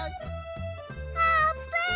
あーぷん！